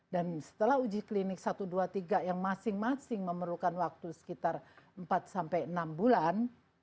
dan setelah uji klinik satu dua tiga yang masing masing memerlukan waktu sekitar empat sampai enam bulan